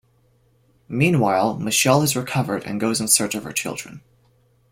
Meanwhile Michelle has recovered and goes in search of her children.